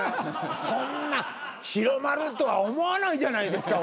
そんな広まるとは思わないじゃないですか